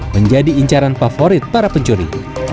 menjadi incaran favorit para pencuri